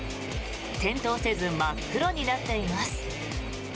点灯せず真っ黒になっています。